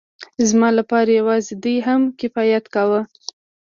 زما لپاره يوازې دې هم کفايت کاوه.